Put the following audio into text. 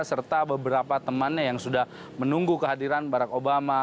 serta beberapa temannya yang sudah menunggu kehadiran barack obama